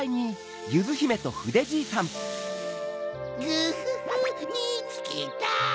グフフみつけた！